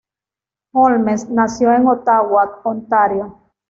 Holmes nació en Ottawa, Ontario.